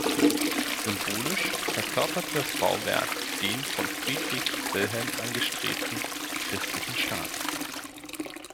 Symbolisch verkörperte das Bauwerk den von Friedrich Wilhelm angestrebten „christlichen Staat“.